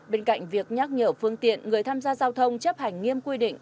bên cạnh việc nhắc nhở phương tiện người tham gia giao thông chấp hành nghiêm quy định